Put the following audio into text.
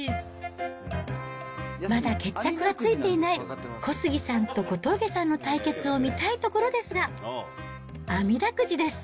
まだ決着がついていない小杉さんと小峠さんの対決を見たいところですが、あみだくじです。